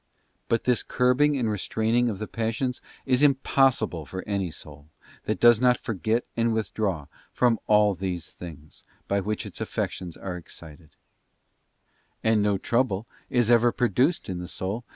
But this curbing and restraining of the passions is impossible for any soul, that does not forget and withdraw from all those things, by which its affections are excited; and no trouble is ever produced in the soul but BOOK Ii.